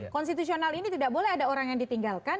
konstitusional ini tidak boleh ada orang yang ditinggalkan